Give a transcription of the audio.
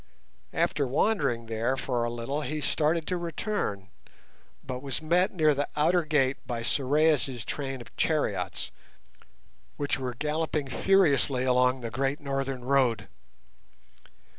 After wandering about there for a little he started to return, but was met near the outer gate by Sorais' train of chariots, which were galloping furiously along the great northern road.